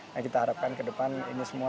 nah kita harapkan ke depan ini semua